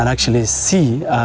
vậy thì cô ấy đã